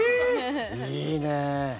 いいね。